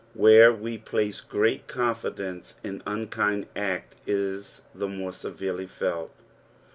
Where we place great confidence an unkind act is the more severely felt.